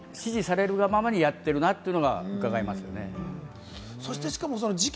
指示されるがままにやっているなというのがうかがえますね。